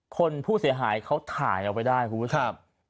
คนผู้เสียหายเขาถ่ายออกไปได้ครับ